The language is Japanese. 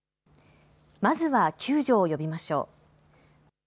まずは救助を呼びましょう。